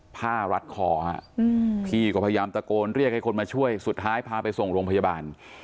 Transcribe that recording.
รัดคอฮะพี่ก็พยายามตะโกนเรียกให้คนมาช่วยสุดท้ายพาไปส่งโรงพยาบาล